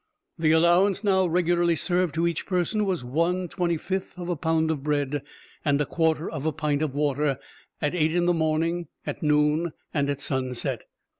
The allowance now regularly served to each person was 1 25th of a pound of bread, and a quarter of a pint of water, at eight in the morning, at noon, and at sunset.